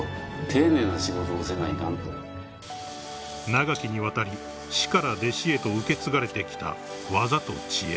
［長きにわたり師から弟子へと受け継がれてきた技と知恵］